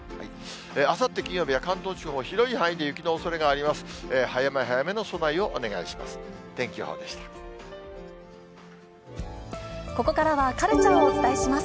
あさって金曜日は、関東地方は広い範囲で雪のおそれがあります。